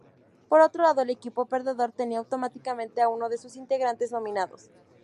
Por otro lado el equipo perdedor tenía automáticamente a uno de sus integrantes nominados.